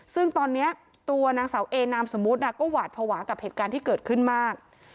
ซึ่งตอนนี้ตัวนางสาวเอนามสมมุติก็หวาดภาวะกับเหตุการณ์ที่เกิดขึ้นมาก